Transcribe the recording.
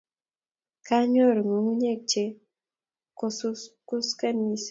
Koanyoru ng'ung'unyek che kuskusen mising